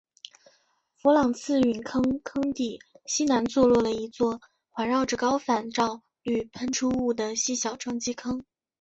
弗朗茨陨石坑坑底西南坐落了一对环绕着高反照率喷出物的细小撞击坑。